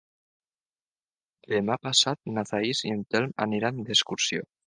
Demà passat na Thaís i en Telm aniran d'excursió.